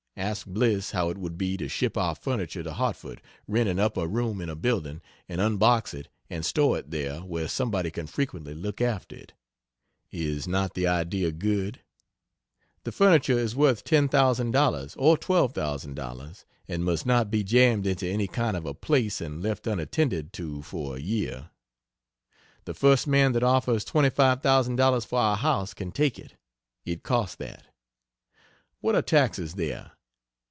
Ask Bliss how it would be to ship our furniture to Hartford, rent an upper room in a building and unbox it and store it there where somebody can frequently look after it. Is not the idea good? The furniture is worth $10,000 or $12,000 and must not be jammed into any kind of a place and left unattended to for a year. The first man that offers $25,000 for our house can take it it cost that. What are taxes there?